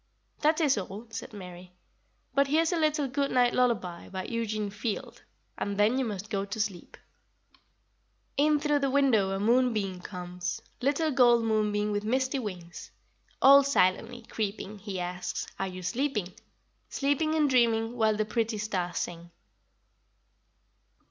"That is all," said Mary; "but here is a little good night lullaby by Eugene Field, and then you must go to sleep: "'In through the window a moonbeam comes, Little gold moonbeam with misty wings, All silently creeping, he asks, "Are you sleeping, Sleeping and dreaming, while the pretty stars sing?"'"